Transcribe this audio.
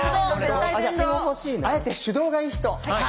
あえて手動がいい人？